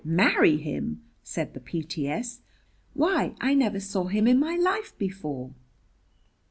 "Marry him!" said the P.T.S. "Why, I never saw him in my life before!"